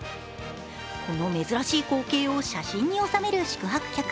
この珍しい光景を写真に収める宿泊客。